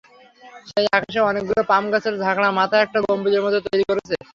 সেই আকাশে অনেকগুলো পাম গাছের ঝাঁকড়া মাথা একটা গম্বুজের মতো তৈরি করেছে।